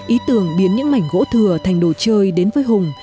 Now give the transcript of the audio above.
ý tưởng biến những mảnh gỗ thừa thành đồ chơi đến với hùng